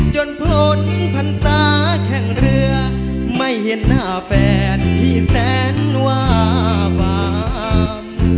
จนพ้นพรรษาแข่งเรือไม่เห็นหน้าแฟนพี่แสนว่าฝาก